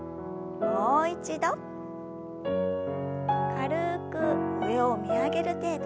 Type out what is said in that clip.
軽く上を見上げる程度。